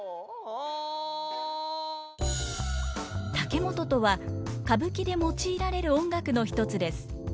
竹本とは歌舞伎で用いられる音楽の一つです。